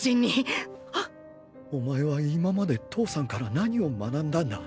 お前は今まで父さんから何を学んだんだ？